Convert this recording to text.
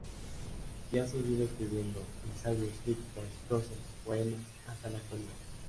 Y ha seguido escribiendo —ensayos, críticas, prosas, poemas— hasta la actualidad.